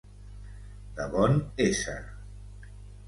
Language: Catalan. De bon ésser.